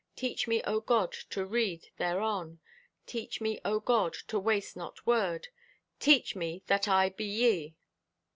Teach me, O God, to read thereon. Teach me, O God, to waste not word. Teach me that I be Ye!